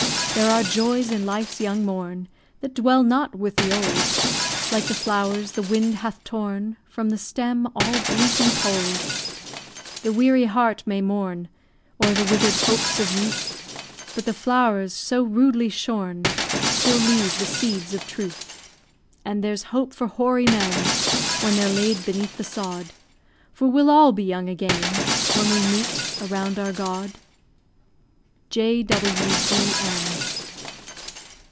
There are joys in life's young morn That dwell not with the old. Like the flowers the wind hath torn, From the strem, all bleak and cold. The weary heart may mourn O'er the wither'd hopes of youth, But the flowers so rudely shorn Still leave the seeds of truth. And there's hope for hoary men When they're laid beneath the sod; For we'll all be young again When we meet around our God. J.W.D.M.